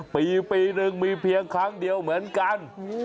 ปีหนึ่งมีเพียงครั้งเดียวเหมือนกัน